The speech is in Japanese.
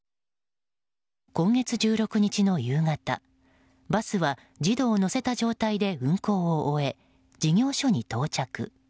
今月１６日の夕方バスは、児童を乗せた状態で運行を終え、事業所に到着。